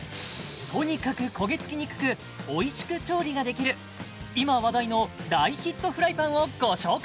とにかく焦げ付きにくくおいしく調理ができる今話題の大ヒットフライパンをご紹介